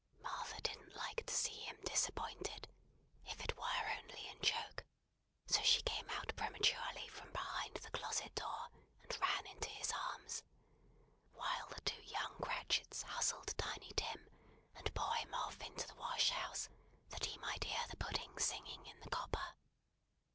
Martha didn't like to see him disappointed, if it were only in joke; so she came out prematurely from behind the closet door, and ran into his arms, while the two young Cratchits hustled Tiny Tim, and bore him off into the wash house, that he might hear the pudding singing in the copper.